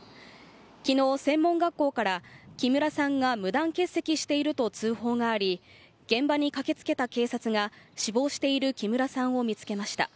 昨日専門学校から木村さんが無断欠席していると通報があり、現場に駆け付けた警察が死亡している木村さんを見つけました。